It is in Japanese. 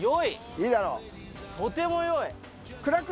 いいだろ。